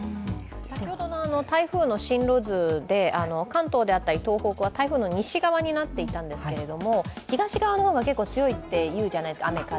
先ほどの台風の進路図で、関東であったり東北は台風の西側になっていたんですけど東側の方が強いと言うじゃないですか、雨風。